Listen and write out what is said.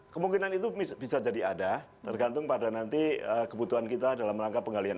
kemungkinan itu bisa jadi ada tergantung pada nanti kebutuhan kita dalam rangka penggalian